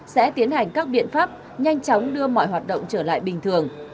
sẽ tiến hành các biện pháp nhanh chóng đưa mọi hoạt động trở lại bình thường